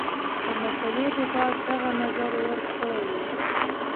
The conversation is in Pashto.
د مسلې په باب دغه نظر ورکړی وو.